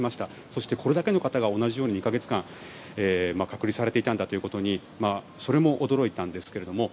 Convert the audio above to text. そして、これだけの方が同じように２か月間隔離されていたんだということにそれも驚いたんですけれど。